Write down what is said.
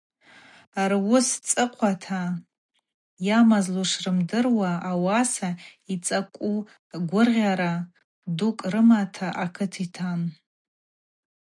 Руыс цӏыхъвата йамазлуш рымдыруа, ауаса йцӏакӏу гвыгъара дукӏ рымата, акыт йтан.